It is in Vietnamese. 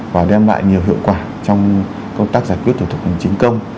và đem lại nhiều hiệu quả trong công tác giải quyết thủ tục hành chính công